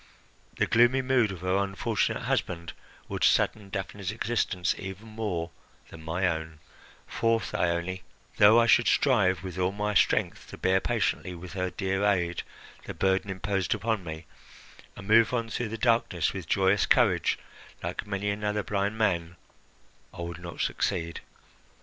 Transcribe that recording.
The gloomy mood of her unfortunate husband would sadden Daphne's existence even more than my own; for, Thyone, though I should strive with all my strength to bear patiently, with her dear aid, the burden imposed upon me, and move on through the darkness with joyous courage, like many another blind man, I could not succeed."